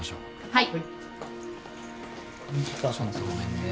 はい。